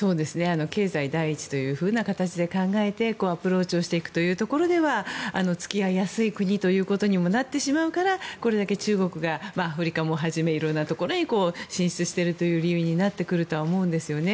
経済第一というふうな形で考えてアプローチしていくところでは付き合いやすい国ということにもなってしまうからこれだけ中国がアフリカをはじめいろいろなところに進出している理由になってくると思うんですね。